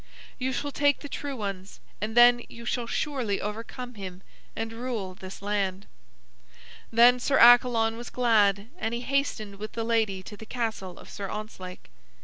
You shall take the true ones, and then you shall surely overcome him and rule this land." Then Sir Accalon was glad, and he hastened with the lady to the castle of Sir Ontzlake.